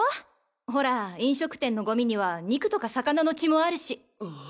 ほら飲食店のゴミには肉とか魚の血もあるし。